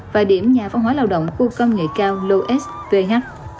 và điểm nhà văn hóa lao động khu công nghiệp cao lô s vh